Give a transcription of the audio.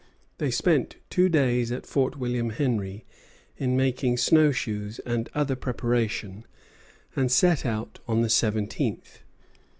They spent two days at Fort William Henry in making snow shoes and other preparation, and set out on the seventeenth.